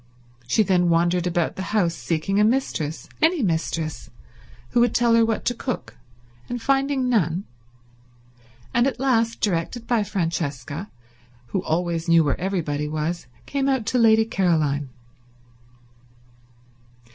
She then wandered about the house seeking a mistress, any mistress, who would tell her what to cook, and finding none; and at last, directed by Francesca, who always knew where everybody was, came out to Lady Caroline.